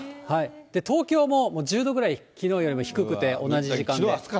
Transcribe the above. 東京も１０度ぐらい、きのうよりも低くて、同じ時間で。